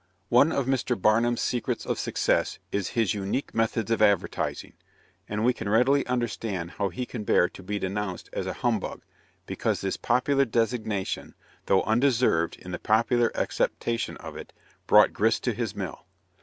One of Mr. Barnum's secrets of success is his unique methods of advertising, and we can readily understand how he can bear to be denounced as a "Humbug," because this popular designation though undeserved in the popular acceptation of it, "brought grist to his mill."